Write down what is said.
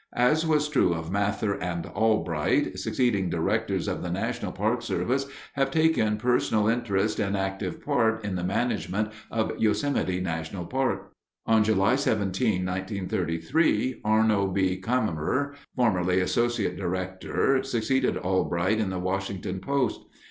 As was true of Mather and Albright, succeeding directors of the National Park Service have taken personal interest and active part in the management of Yosemite National Park. On July 17, 1933, Arno B. Cammerer, formerly Associate Director, succeeded Albright in the Washington post.